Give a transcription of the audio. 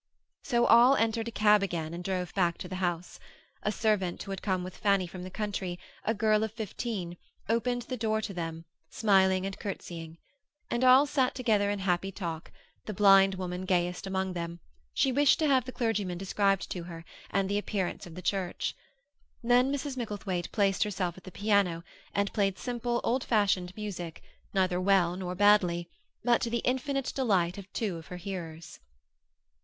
So all entered a cab again and drove back to the house. A servant who had come with Fanny from the country, a girl of fifteen, opened the door to them, smiling and curtseying. And all sat together in happy talk, the blind woman gayest among them; she wished to have the clergyman described to her, and the appearance of the church. Then Mrs. Micklethwaite placed herself at the piano, and played simple, old fashioned music, neither well nor badly, but to the infinite delight of two of her hearers.